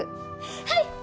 はい！